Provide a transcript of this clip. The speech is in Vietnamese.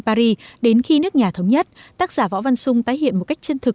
paris đến khi nước nhà thống nhất tác giả võ văn sung tái hiện một cách chân thực